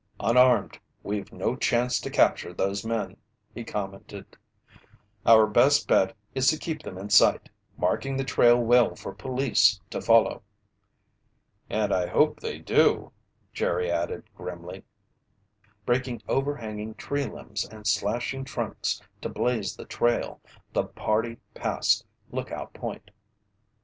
"Unarmed, we've no chance to capture those men," he commented. "Our best bet is to keep them in sight, marking the trail well for police to follow." "And hope they do," Jerry added grimly. Breaking overhanging tree limbs, and slashing trunks to blaze the trail, the party passed Lookout Point.